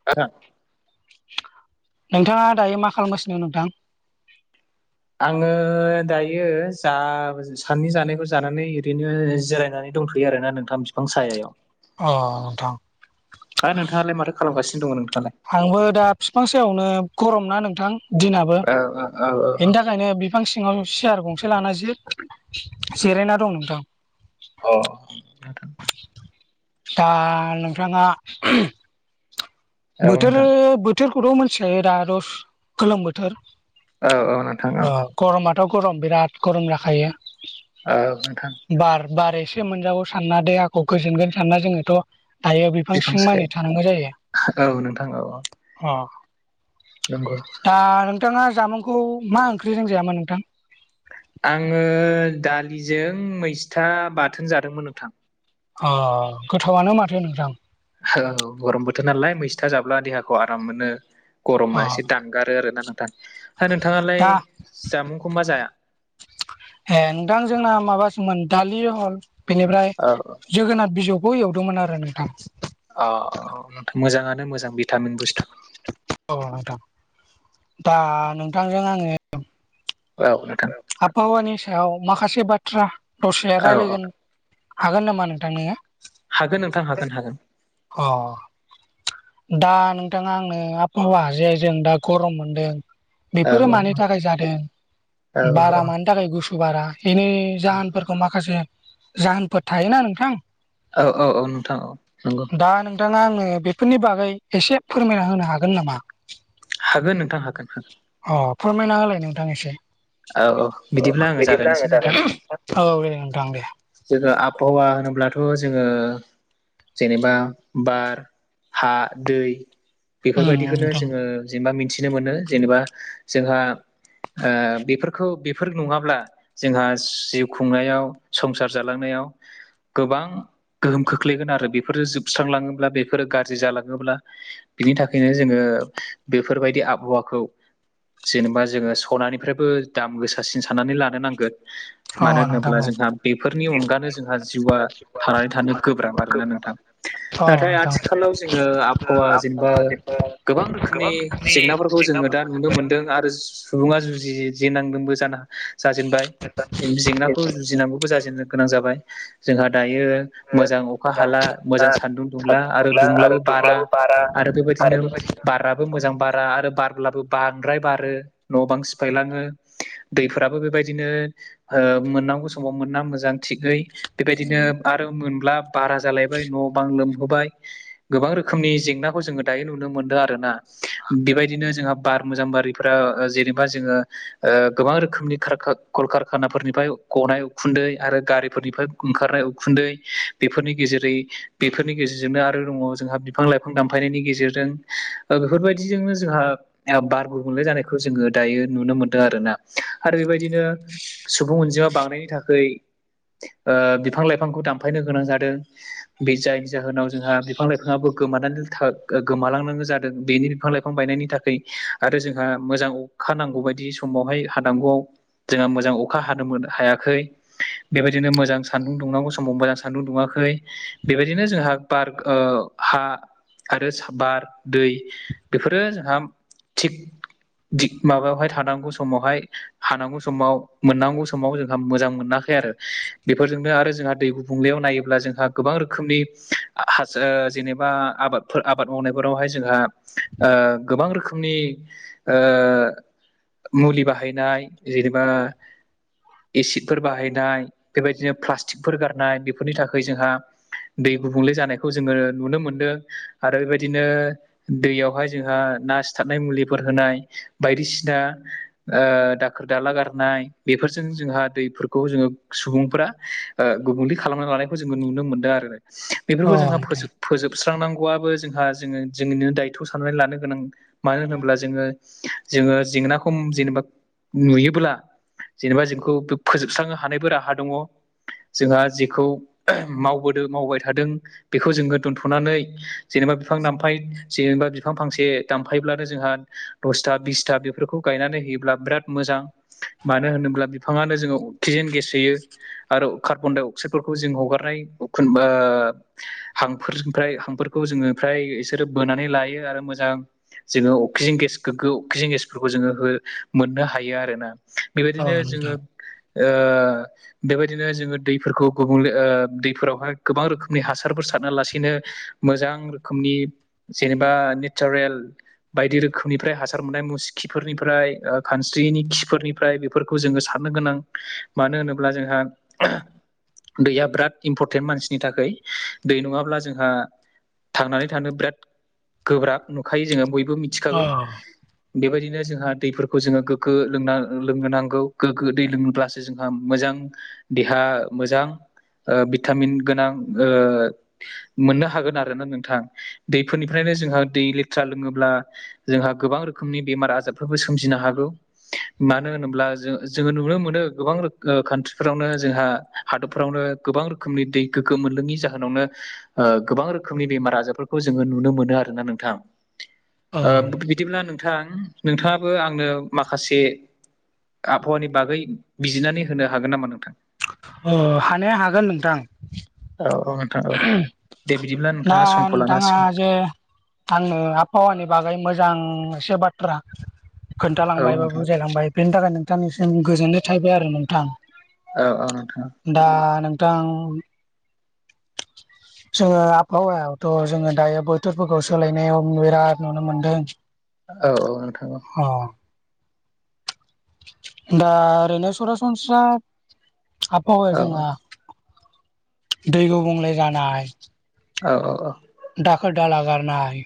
[inaudible] नोंथाङा दायो मा खालामगासिनो नोंथां? आङो दायो जा साननि जानायखौ जानानै ओरैनो जिरायनानै। दंथ'यो आरो ना नोंथां बिफां सायायाव। ओ नोंथां। ओ नोंथाङालाय माथो खालामगासिनो दङ नोंथाङालाय। आंबो दा बिफां सायावनो गरम ना नोंथां दिनाबो। ओ ओ औ औ औ। बेनिखायनो बिफां सिङाव सियार गंसे लाना जे जिरायना दं नोंथां। अ नोंथां‌‌ दा नोंथाङा। औ अ बोथोर नोंथां बोथोरखौथ' मिथिखायो दा रस गोलोम बोथोर। औ औ नोंथां ओ औ। गरमाथ' गरम बिराद गरम जाखायो। औ नोंथां। बार बार एसे मोनजागौ सानना देहाखौ गोजोनगोन सानना जोङोथ'। थायो बिफां बिफांसिं मानि सायाव थानांगौ जायो। औ नोंथां औ औ। अ। नंगौ। दा नोंथाङा जामुंखौ मा ओंख्रिजों जायामोन नोंथां? आङो दालिजों मैसथा बाथोन जादोंमोन नोंथां ओ गोथावानो माथो नोंथां औ गरम बोथोर नालाय मैस्था जाब्ला देहाखौ आराम मोनो गरमा अ एसे दानगारो आरोना नोंथां हा नोंथाङालाय दा जामुंखौ मा जाया ए नोंथां जोंना माबासोमोन दालि हल बेनिफ्राय औ जोगोनार बिजौखौ एउदोंमोन आरो नोंथां अ मोजाङानो मोजां भिटामिन बुस्थु अ' नोंथां दा नोंथांजों आङो औ नोंथां आबहावानि सायाव माखासे बाथ्रा दसे औ औ रायलायगोन हागोन नामा नोंथां नोङो? हागोन नोंथां हागोन हागोन। अ दा नोंथाङा आंनो आबहावा जे जों दा गरम मोनदों औ बेफोरो औ मानि थाखाय जादों बारा मानि थाखाय गुसु बारा एनि जाहोनफोरखौ माखासे जाहोनफोर थायोना नोंथां औ औ औ नोंथां औ नोंगौ। दा नोंथाङा आंनो बेफोरनि बागै एसे फोरमायना होनो हागोन नामा? हागोन नोंथां हागोन। अ फोरमायना होलाय नोंथां एसे। औ बिदिब्ला आङो जागायनोसै नोंथां। औ दे नोंथां दे जोङो आबहावा होनोब्लाथ' जोङो जेनेबा बार, हा, दै उम बेफोरबायदिखौनो नोंथां जोङो जेनेबा मिन्थिनो मोनो जेनेबा जोंहा ओ बेफोरखौ बेफोर नङाब्ला जोंहा जिउ खुंनायाव संसार जालांनायाव गोबां गोहोम खोख्लैगोन आरो बेफोरो जोबस्रांलाङोब्ला बेफोरो गाज्रि जालाङोब्ला बिनि थाखायनो जोङो बेफोरबायदि आबहावाखौ जेनेबा जोङो सनानिफ्रायबो दाम गोसासिन साननानै लानो नांगोन। अ मानो नोंथां होनोब्ला औ अ जोंहा बेफोरनि अनगानो जोंहा जिउआ थानानै थानो गोब्राब आरोना नोंथां। नोंथां अ नाथाय नोंथां आथिखालाव जोङो आबहावा जेनेबा अ गोबां रोखोमनि जेंनाफोरखौ जोङो दा नुनो मोनदों आरो सुबुङा जुजिजेनेनांदोंबो जाना जाजेनबाय जेंनाखौ जुजिनांगौबो जाजेनो गोनां जाबाय जोंहा दायो मोजां अखा हाला मोजां सानदुं दुंला आरो दुंलाबो बारा आरो बेबायदिनो बारा बो मोजां बारा आरो बारब्लाबो बांद्राय बारो न' बां सिफायलाङो दैफोराबो बेबायदिनो ओ मोननांगौ समाव मोन्ना मोजां थिगै बेबायदिनो आरो मोनब्ला बारा जालायबाय न' बां लोमहोबाय गोबां रोखोमनि जेंनाखौ जोङो दायो नुनो मोनदों आरोना। बेबायदिनो जोंहा बार मोजां बारैफोरा जेनेबा जोङो ओ गोबां रोखोमनि खारखा-कलकारखानाफोरनिफ्राय गनाय उखुन्दै आरो गारिफोरनिफ्राय ओंखारनाय उखुन्दै बेफोरनि गेजेरै बेफोरनि गेजेरजोंनो आरो दङ जोंहा बिफां लाइ दामफायनायनि गेजेरजों ओ बेफोरबायदिजोंनो जोंहा बार गुबुंले जानायखौ जोङो दायो नुनो मोनदों आरोना। आरो बेबायदिनो सुबुं अनजिमा बांनायनि थाखै ओ बिफां लाइफांखौ दानफायनो गोनां जादों बे जायनि जाहोनाव जोंहा बिफां लाइफाङाबो गोमानानै था गोमालांनांगौ जादों बेनि बिफां लाइ फां बायनायनि थाखै आरो जोंहा मोजां अखा नांगौ बायदियै समावहाय हादांगौआव जोंहा मोजां अखा हानो मोन हायाखै। बेबादिनो मोजां सान्दुं दुंनांगौ समाव मोजां सानदुं दुङाखै। बेबायदिनो जोंहा बार ओ हा आरो सा बार दै बेफोरो जोंहा थिग दिग माबायावहाय थानांगौ समावहाय हानांगौ समाव मोननांगौ समाव जोंहा मोजां मोनाखै आरो। बेफोरजोंनो आरो जोंहा दै गुबुंलेयाव नायोब्ला जोंहा गोबां रोखोमनि हास ओ जेनेबा आबादफोर आबाद मावनायफोरावहाय जोंहा ओ गोबां रोखोमनि ओ मुलि बाहायनाय जेनेबा एसिडफोर बाहायनाय बेबायदिनो प्लास्टिकफोर गारनाय बेफोरनि थाखाय जोंहा दै गुबुंले जानायखौ जोङो नुनो मोनदों आरो बेबायदिनो दैयावहाय जोंहा ना सिथारनाय मुलिफोर होनाय बायदिसिना ओ दाखोर दाला गारनाय बेफोरजों जोंहा दैफोरखौ जोङो सुबुंफोरा ओ गुबुंलि खालामना लानायखौ जोङो नुनो मोनदों आरो बेफोरखौ जोंहा फोजोब फोजोबस्रांनांगौआबो जोंहा जोङो जोंनिनो दायथ' साननानै लानो गोनां मानो होनोब्ला जोङो जोङो जेंना खम जेनेबा नुयोब्ला जेनेबा जोंखौ फोजोबस्रांनो हानायबो राहा दङ। जोंहा जेखौ मावबोदों मावबाय थादों बेखौ जोङो दोनथ'नानै जेनेबा बिफां दामफाय जेनेबा बिफां फांसे दानफायब्लानो जोंहा दसथा बिसथा बेफोरखौ गायनानै होयोब्ला बिराद मोजां मानो होनोब्ला बिफाङानो जोङो अक्सिजेन गेस होयो। आरो कार्बन डाइ अक्साइदफोरखौ जों हगारनाय‌ उखुन ओ हांफोरनिफ्राय हांफोरखौ जोनिफ्राय बिसोरो बोनानै लायो आरो मोजां जोङो अक्सिजेन गेस अक्सिजेन गेसफोरखौ खौ जोङो हो मोननो हायो आरोना बेबायदिनो जोङो नोंथां ओ बेबायदिनो जोङो दैफोरखौ गुबुंले ओ दैफोरावहाय गोबां रोखोमनि हासारफोर सारना लासैनो मोजां रोखोमनि जेनेबा नेचारेल बायदि रोखोमनिफ्राय हासार मोननाय मुस खिफोरनिफ्राय ओ खानस्रिनि खिफोरनिफ्राय बेफोरखौ जोङो साननो गोनां मानो होनोब्ला जोंहा [inaudible] दैया बिराद इम्परटेन्ट मानसिनि थाखाय दै नङाब्ला जोंहा थांनानै थानो बिराद गोब्राब नुखायो जोङो बयबो औ मिथिखागौ बेबायदिनो जोंहा दैफोरखौ जोङो गोग्गो लोंना लोंनो नांगौ गोग्गो दै लोंब्लासो जोंहा मोजां देहा मोजां ओ भिटामिन गोनां ओ मोननो हागोन आरोना नोंथां। दैफोरनिफ्रायनो जोंहा दै लेथ्रा लोङोब्ला जोंहा गोबां रो खोमनि बेमार आजारफोरबो सोमजिनो हागौ। मानो होनोब्ला जों जोङो नुनो मोनो गोबां रो कान्ट्रिफोरावनो जोंहा हादोरफोरावनो गोबां रोखोमनि दै गोगो मोनलोंयैनि जाहोनावनो ओ गोबां रोखोमनि बेमार आजारफोरखौ जोङो नुनो मोनो आरोना नोंथां। औ ओ बिदिब्ला नोंथां, नोंथांङाबो आंनो माखासे आबहावानि बागै बिजिरनानै होनो हागोन नामा नोंथां। अ हानाया हागोन नोंथां। औ औ नोंथां औ। दे बिदिब्ला ना नोंथाङा समखौ लानो नोंथाङा हासिगोन जे आंनो आबहावानि बागै मोजांसे बाथ्रा औ खोन्थालांबाय बा नोंथां बुजायलांबाय बेनि थाखाय नोंथांनिसिम गोजोननाय थाहैबाय आरो नोंथां। औ औ नोंथां। दा नोंथां जोङो आबहावायावथ' जोङो दायो बोथोरफोरखौ सोलायनायाव बिराद नुनो मोनदों [unintelligible] औ औ नोंथां औ अ दा ओरैनो सरासनस्रा आबहावाया औ जोंहा दै गुबुंले जानाय औ औ औ दाखोर दाला गारनाय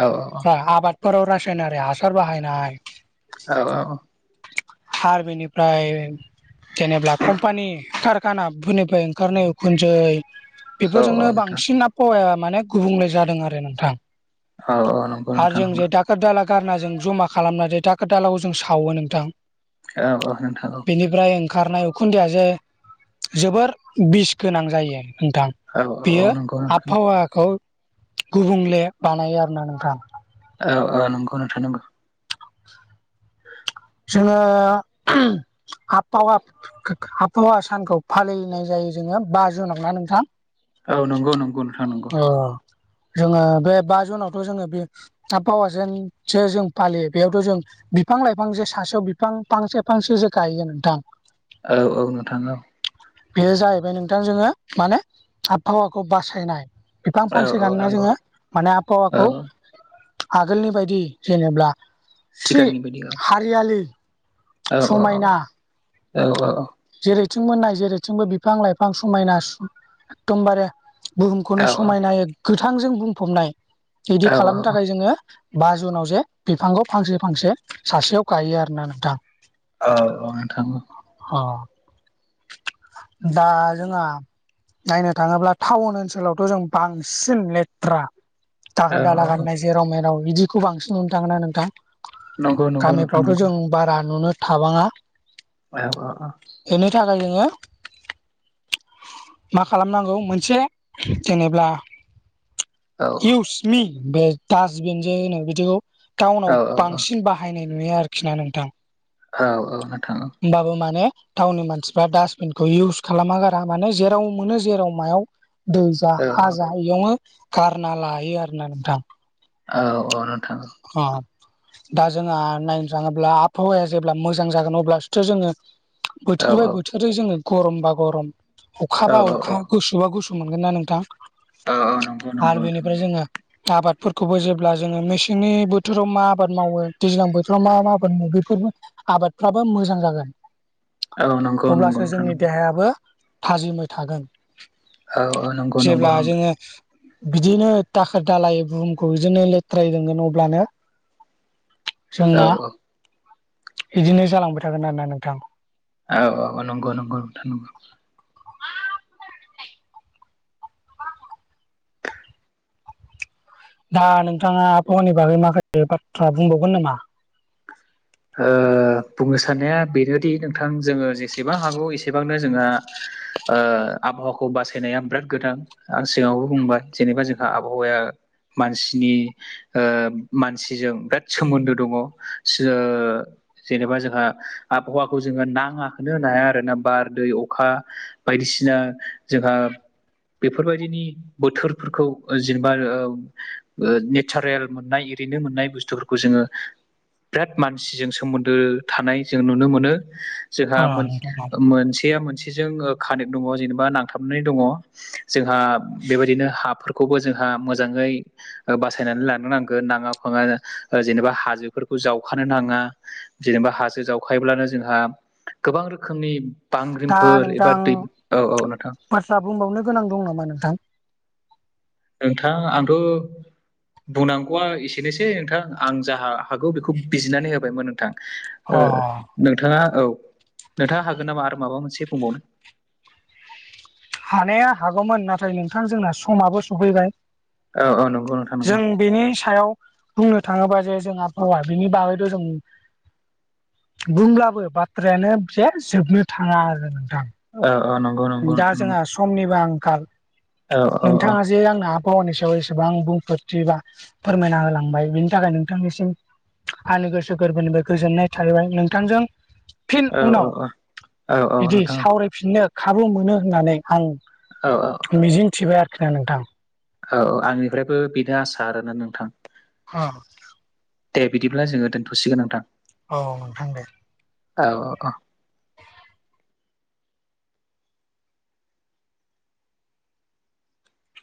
औ औ आबादफोराव रासायनारि हासार बाहायनाय औ औ हार बेनिफ्राय जेनेबा कम्पानि कारखानाफोरनिफ्राय ओंखारनाय उखुनदै औ औ बेफोरजोंनो नोंथां बांसिन आबहावाया माने गुबुंले जादों आरो नोंथां औ औ नंगौ आरो नोंथां जों नंगौ जे दा खोर दाला गारना जों जमा खालामनानै दाखोर दालाखौ जों सावो नोंथां औ औ नोंथां औ बेनिफ्राय ओंखारनाय उखुन्दैया जे जोबोर बिस गोनां जायो नोंथां औ औ बियो नंगौ नोंथां आबहावाखौ गुबुंले बानायो आरोना नोंथां औ औ नंगौ नोंथां नंगौ [unintelligible] जोङो [unintelligible] आबहावा आबहावा सानखौ फालिनाय जायो जोङो बा जुनाव ना नोंथां औ नंगौ नंगौ नोंथां नंगौ अ जोङो बे बा जुनावथ' जोङो बे आबहावाजोंसो जों फालियो बेयावथ' जों बिफां लाइ बिफां जे सासेयाव बिफां फांसे फांसे जे गायो नोंथां औ औ नोंथां औ बेयो जाहैबाय नोंथां जोङो माने आबहावाखौ बासायनाय बिफां औ फांसे औ गायना नंगौ जोङो माने औ आबहावाखौ आगोलनि बायदि जेनेब्ला सिगांनि बायदि औ औ औ औ औ औ जेरैथिंबो नाय जेरैथिंबो बिफां लाइफां समायना एखदमबारे बुहुमखौनो औ औ समायनायै गोथांजों बुंफबनाय औ बिदि खालामनो थाखाय जोङो बा जुनाव जे बिफांखौ फांसे फांसे सासेयाव गायो आरोना नोंथां औ औ नोंथां औ औ दा जोंहा नायनो थाङोब्ला टाउन ओनसोलावथ' जों बांसिन लेथ्रा दाखोर औ दाला औ गाननाय जेराव मेराव बिदिखौ बांसिन नुनो थाङोना नोंथां नंगौ नंगौ नोंथां गामिफ्रावथ' नंगौ जों बारा नुनो थाबाङा औ औ अ बेनि थाखाय जोङो मा खालामनांगौ मोनसे जेनेब्ला औ इउसमि बे डासटबिन जे होनो बिदिखौ औ टाउनाव औ बांसिन बा बाहायनाय नुयो आरोखि ना नोंथां औ औ नोंथाङो औ होनबाबो माने टावननि मान मानसिफ्रा डास्टबिनखौ इउस खालामा गारा माने जेराव मोनो जेराव मायाव दैजा औ खाजायोंनो गारना लायो आरोना नोंथां। औ औ नोंथां। अ दा जोंहा नायनो थाङोब्ला आबहावाया जेब्ला मोजां जागोन अब्लासोथ' जोङो औ बोथोर बा बोथोरै जोङो गरमबा गरम अखा औ बा अखा गुसु गुसुबा गुसु मोनगोन ना नोंथां औ नंगौ नंगौ आरो नोंथां बेनिफ्राय नंगौ जोंहा आबादफोरखौबो जेब्ला जोङो मिच मेसेंनि बोथोराव मा आबाद मावो दैज्लां बोथोराव मा मा मा आबाद मावो बेफोरनो आबादफ्राबो मोजां जागोन। औ नंगौ [inaudible] नंगौ अब्लासो नोंथां जोंनि नंगौ देहायाबो थाजिमै थागोन। औ औ नंगौ [inaudible] नंगौ जेब्ला नंगौ जोङो बिदिनो दाखोर दालायै बुहुमखौ इदिनो लेथ्रायै दोनगोन अब्लानो [inaudible] औ जोंना औ [inaudible] इदिनो जालांबाय थागोन आरोना नोंथां। औ औ औ नंगौ नंगौ नोंथां नंगौ। दा नोंथाङा आहावानि बागै माखासे बाथ्रा बुंबावगोन नामा? ओ बुंनो साननाया बेनोदि नोंथां जोङो जेसेबां हागौ एसेबांनो जोंहा ओ आबहावाखौ बासायनाया बिराद गोनां। आं सिगाङावबो बुंबाय जेनेबा जोंहा आबहावाया मानसिनि ओ मानसिजों बिराद सोमोन्दो दङ सो ओ ओ जेनेबा जोंहा आबहावाखौ जोङो नाङाखोनो होनो हाया आरो ना बार, दै, अखा बायदिसिना जोंहा बेफोरबायदिनि बोथोरफोरखौ जेनेबा ओ - ओ नेचारेल मोननाय इरैनो मोननाय बुस्थुफोरखौ जोङो बिराद मानसिजों सोमोन्दो थानाय जों नुनो मोनो। जोंहा अ नोंथां मोन-मोनसेया मोनसेजों ओ कानेक्ट दङ जेनेबा नांथाबनाय दङ। जोंहा बेबायदिनो हाफोरखौबो जोंहा मोजाङै बासायनानै लानो नांगोन नाङा फाङा ओ जेनेबा हाजोफोरखौ जाव खानो नाङा। जेनेबा हाजो जावखायोब्लानो जोंहा गोबां रोखोमनि दा बांग्रिंफोर एबा दै औ औ नोंथां। दा बुंबावनो गोनां दं नामा नोंथां? नोंथां आंथ' बुंनांगौआ एसेनोसै नोंथां आं जा हागौ बेखौ बिजिरनानै होबायमोन नोंथां। अ ओ नोंथाङा औ नोंथाङा हागोन नामा आरो माबा मोनसे बुंबावनो? हानाया हागौमोन नाथाय नोंथां जोंना समाबो सफैबाय। औ औ नंगौ नोंथां [inaudible] नंगौ जों बेनि सायाव बुंनो थाङोबा जे जों आबहावा बिनि बागैथ' जों बुंब्लाबो बाथ्रायानो जेन जोबनो थाङा आरो नोंथां। औ औ नंगौ। नंगौ दा नोंथां जोंहा नंगौ समनिबो आंखाल औ औ औ नोंथाङा जे आंनो आबहावानि सायाव एसेबां बुंफोरथि बा फोरमायना होलांबाय बिनि थाखाय नोंथांनिसिम आंनि गोसो गोरबोनिफ्राय गोजोननाय थाहैबाय नोंथांजों फिन उनाव औ औ औ औ बिदि नोंथां सावरायफिननो खाबु मोनो होननानै आं औ औ। मिजिं थिबाय आरोखि ना नोंथां। औ औ आंनिफ्रायबो बेनो आसा आरोना नोंथां। अ। दे बिदिब्ला जोङो दोनथ' सिगोन नोंथां। औ नोंथां दे। औ ओ अ'